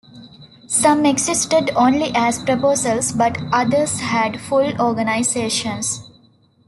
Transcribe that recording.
Some existed only as proposals, but others had full organizations.